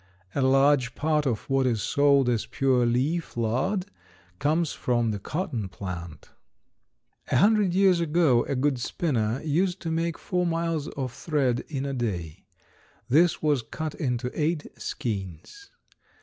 A large part of what is sold as pure leaf lard comes from the cotton plant. A hundred years ago a good spinner used to make four miles of thread in a day. This was cut into eight skeins.